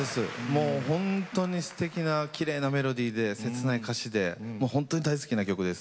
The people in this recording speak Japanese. もうほんとにすてきなきれいなメロディーで切ない歌詞でもうほんとに大好きな曲です。